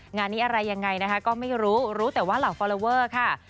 งานนี้อะไรอย่างไรก็ไม่รู้รู้แต่ว่าหล่อฟอร์ลัเวอร์ค่ะ